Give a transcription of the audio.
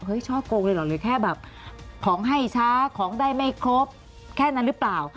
ช่อกงเลยเหรอหรือแค่แบบของให้ช้าของได้ไม่ครบแค่นั้นหรือเปล่า